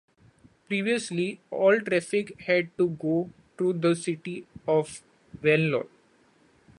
Previously, all traffic had to go through the city of Venlo.